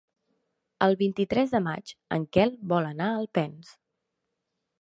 El vint-i-tres de maig en Quel vol anar a Alpens.